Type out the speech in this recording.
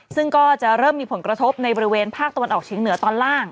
ซึ่งก็จะเริ่มมีผลกระทบในบริเวณภาคตะวันออกเฉียงเหนือตอนล่าง